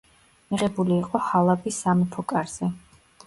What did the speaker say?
მიღებული იყო ჰალაბის სამეფო კარზე.